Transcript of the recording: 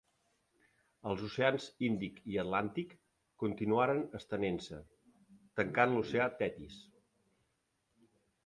Els oceans Índic i Atlàntic continuaren estenent-se, tancant l'oceà Tetis.